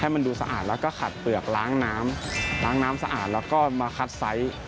มันดูสะอาดแล้วก็ขัดเปลือกล้างน้ำล้างน้ำสะอาดแล้วก็มาคัดไซส์